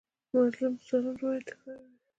مظلوم د ظالم روایت تکراروي.